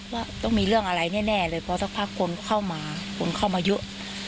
ว่าต้องมีเรื่องอะไรแน่เลยพอสักพักคนเข้ามาคนเข้ามาเยอะ